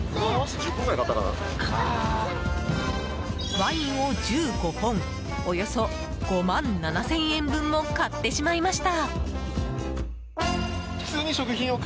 ワインを１５本およそ５万７０００円分も買ってしまいました。